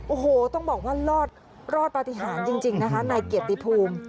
โอ้โหต้องบอกว่ารอดปฏิหารจริงนะคะนายเกียรติภูมิ